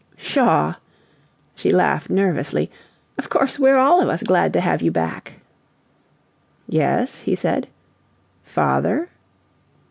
"Pshaw!" She laughed nervously. "Of course we're all of us glad to have you back." "Yes?" he said. "Father?"